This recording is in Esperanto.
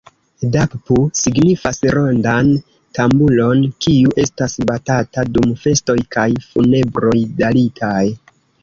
Dappu signifas rondan tamburon, kiu estas batata dum festoj kaj funebroj dalitaj.